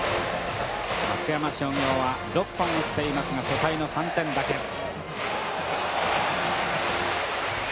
松山商業は６本打っていますが初回の３点だけ。